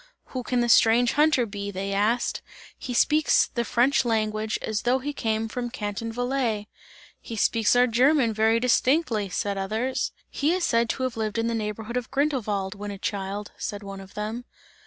"Who can the strange hunter be?" they asked, "He speaks the French language as though he came from Canton Valais!" "He speaks our German very distinctly!" said others. "He is said to have lived in the neighbourhood of Grindelwald, when a child!" said one of them.